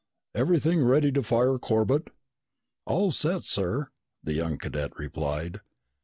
"Everything ready to fire, Corbett?" "All set, sir," the young cadet replied.